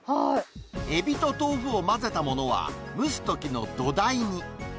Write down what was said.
エビと豆腐を混ぜたものは、蒸すときの土台に。